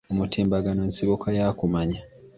Omutimbagano nsibuko ya kumanya.